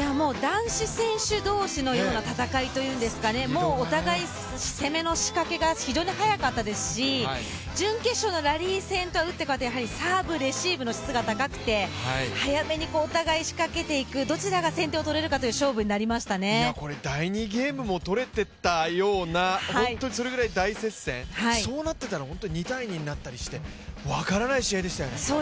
男子選手同士のような戦いというんですかお互い攻めの仕掛けが非常に速かったですし準決勝のラリー戦とは打って変わってサーブレシーブの質が高くて早めにお互い仕掛けていく、どちらが先手を仕掛けていくかというこれ第２ゲームも取れていたような、本当にそれぐらい大接戦、そうなっていたら２−２になったりして分からない試合でしたよね？